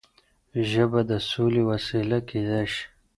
ژبه د سولې وسيله کيدای شي.